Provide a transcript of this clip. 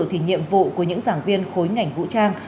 thì nhiệm vụ của những giảng viên khối ngành vũ trang